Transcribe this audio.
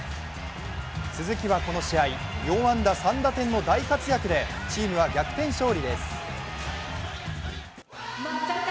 鈴木はこの試合、４安打３打点の大活躍でチームは逆転勝利です。